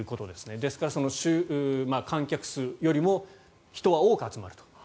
ですから、観客数よりも人は多く集まると。